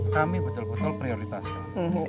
kami betul betul prioritaskan